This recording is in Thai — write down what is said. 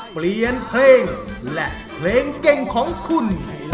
เปลี่ยนเพลงและเพลงเก่งของคุณ